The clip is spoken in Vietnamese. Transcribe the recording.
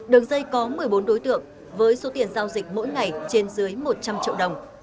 đường dây có một mươi bốn đối tượng với số tiền giao dịch mỗi ngày trên dưới một trăm linh triệu đồng